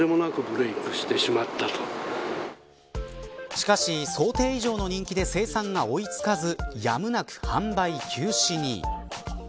しかし、想定以上の人気で生産が追い付かずやむなく販売休止に。